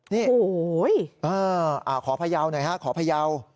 นี่อ่าขอพะเยาว์หน่อยฮะขอพะเยาว์